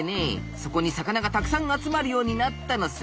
そこに魚がたくさん集まるようになったのさ。